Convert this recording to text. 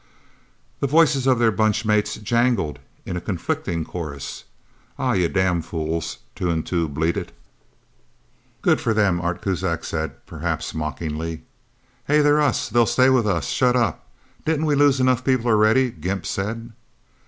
The voices of their Bunch mates jangled in a conflicting chorus. "Ah yuh damfools!" Two and Two bleated. "Good for them!" Art Kuzak said, perhaps mockingly. "Hey they're us they'll stay with us shut up didn't we lose enough people, already?" Gimp said.